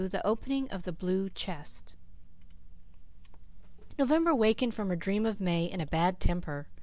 THE OPENING OF THE BLUE CHEST November wakened from her dream of May in a bad temper.